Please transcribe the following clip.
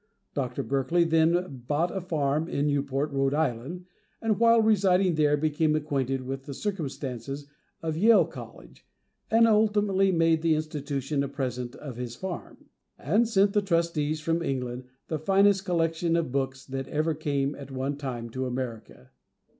Dr. Berkeley then bought a farm in Newport, Rhode Island, and while residing there, became acquainted with the circumstances of Yale College, and ultimately made the institution a present of his farm, and sent the Trustees from England "the finest collection of books that ever came at one time to America."